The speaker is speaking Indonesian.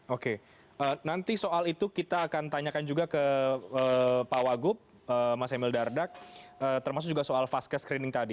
oke nanti soal itu kita akan tanyakan juga ke pak wagub mas emil dardak termasuk juga soal vaskes screening tadi